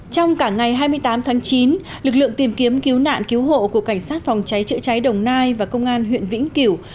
trong cả ngày hai mươi tám tháng chín lực lượng tìm kiếm cứu nạn cứu hộ của cảnh sát phòng cháy chữa cháy đồng nai và công an huyện vĩnh kiểu